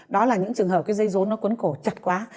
đó là những trường hợp cái dây rốn nó cuốn cổ chật quá